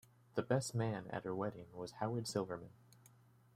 The Best Man at her wedding was Howard Silverman.